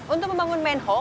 untuk membangun manhole